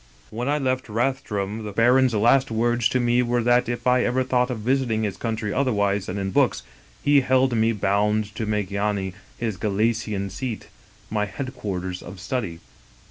" When I left Rathdrum the baron's last words to me were that if I ever thought of visiting his country other wise than in books, he held me bound to make Yany, his Galician seat, my headquarters of study.